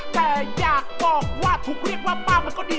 มาจากหมู่บ้านค่ะ